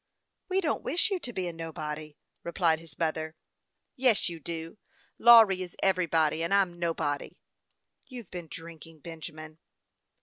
" We don't wish you to be a nobody," replied his mother. " Yes, you do ; Lawry is everybody, and I'm nobody." " You've been drinking, Benjamin."